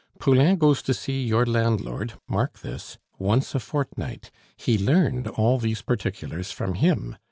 Poulain goes to see your landlord (mark this!) once a fortnight; he learned all these particulars from him.